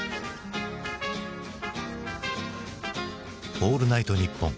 「オールナイトニッポン」